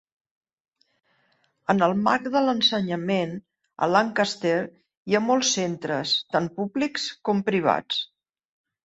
En el marc de l'ensenyament, a Lancaster hi ha molts centres, tant públics com privats.